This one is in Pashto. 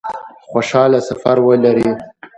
خوشحاله سفر ولري